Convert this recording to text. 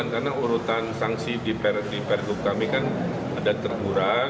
karena urutan sanksi di pergub kami kan ada teguran